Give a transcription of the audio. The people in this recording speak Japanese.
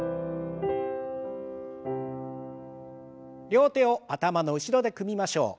両手を頭の後ろで組みましょう。